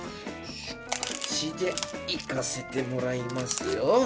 口でいかせてもらいますよ！